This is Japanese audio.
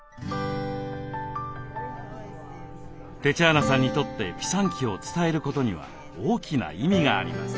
テチャーナさんにとってピサンキを伝えることには大きな意味があります。